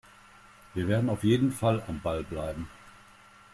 Wir werden auf jeden Fall am Ball bleiben.